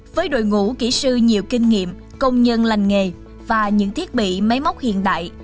với đội ngũ kỹ sư nhiều kinh nghiệm công nhân lành nghề và những thiết bị máy móc hiện đại